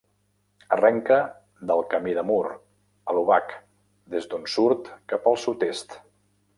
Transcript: Arrenca del Camí de Mur, a l'Obac, des d'on surt cap al sud-est.